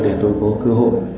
để tôi có cơ hội